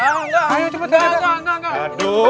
enggak enggak enggak